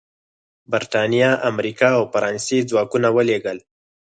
برېټانیا، امریکا او فرانسې ځواکونه ولېږل.